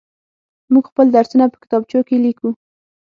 موږ خپل درسونه په کتابچو کې ليكو.